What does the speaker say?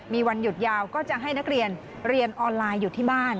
มีวันหยุดยาวก็จะให้นักเรียนเรียนออนไลน์อยู่ที่บ้าน